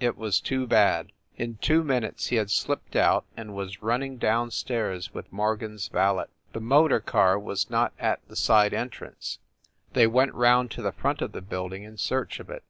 It was too bad. In two minutes he had slipped out and was run ning down stairs with Morgan s valet. The motor car was not at the side entrance; they went round to the front of the building in search of it.